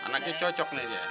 anaknya cocok nih dia